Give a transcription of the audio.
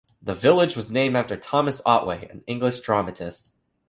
The village was named after Thomas Otway, an English dramatist.